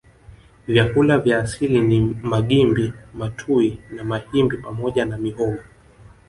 Vyakula vya asili ni magimbi matuwi na mahimbi pamoja na mihogo